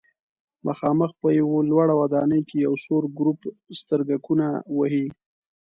مخامخ په یوه لوړه ودانۍ کې یو سور ګروپ سترګکونه وهي.